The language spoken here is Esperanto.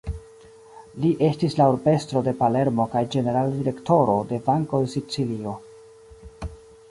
Li estis la Urbestro de Palermo kaj ĝenerala Direktoro de Banko de Sicilio.